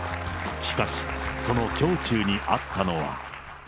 しかし、その胸中にあったのは。